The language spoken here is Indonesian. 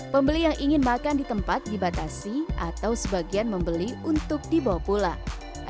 pembeli yang ingin makan di tempat dibatasi atau sebagian membeli untuk dibawa pulang